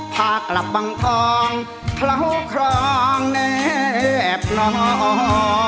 พากลับบังทองเข้าครองเน็บน้อง